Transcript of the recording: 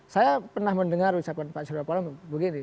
saya pernah mendengar ucapan pak suryapalo begini